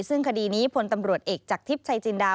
ซึ่งคดีนี้พลตำรวจเอกจากทิพย์ชัยจินดา